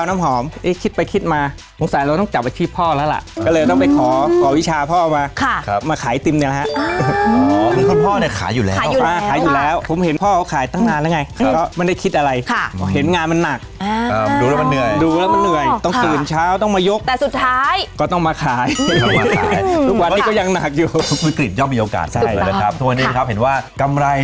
มะพร้าวสดใช่ไหมคะอ๋อค่ะค่ะค่ะค่ะค่ะค่ะค่ะค่ะค่ะค่ะค่ะค่ะค่ะค่ะค่ะค่ะค่ะค่ะค่ะค่ะค่ะค่ะค่ะค่ะค่ะค่ะค่ะค่ะค่ะค่ะค่ะค่ะค่ะค่ะค่ะค่ะค่ะค่ะค่ะค่ะค่ะค่ะค่ะค่ะค่ะค่ะค่ะค่ะค่ะค่ะค